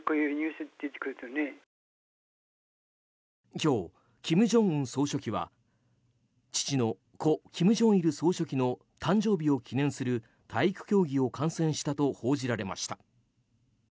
今日、金正恩総書記は父の故・金正日総書記の誕生日を記念する体育競技を観戦したと報じられました。